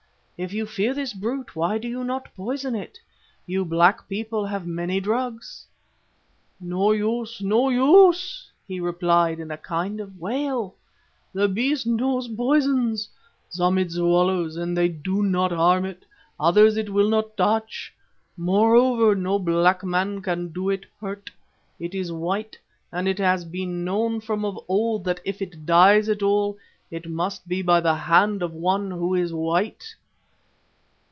But if you fear this brute why do you not poison it? You black people have many drugs.' "'No use, no use,' he replied in a kind of wail. 'The beast knows poisons, some it swallows and they do not harm it. Others it will not touch. Moreover, no black man can do it hurt. It is white, and it has been known from of old that if it dies at all, it must be by the hand of one who is white.